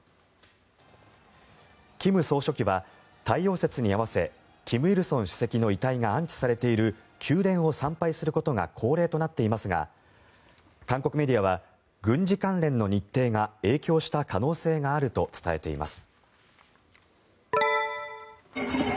金総書記は太陽節に合わせ金日成主席の遺体が安置されている宮殿を参拝することが恒例となっていますが韓国メディアは軍事関連の日程が影響した可能性があると伝えています。